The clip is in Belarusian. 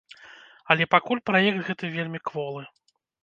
Але пакуль праект гэты вельмі кволы.